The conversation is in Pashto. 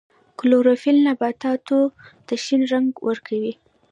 کلوروفیل نباتاتو ته شین رنګ ورکوي